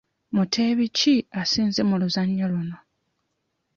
Muteebi ki asinze mu luzannya luno?